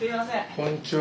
こんにちは。